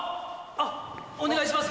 あっお願いします